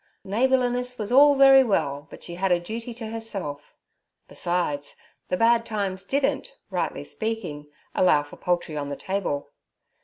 Neighbourliness was all very well, but she had a duty to herself; besides, the bad times didn't, rightly speaking, allow for poultry on the table.